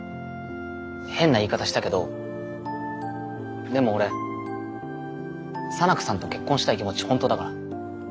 変な言い方したけどでも俺沙名子さんと結婚したい気持ち本当だから。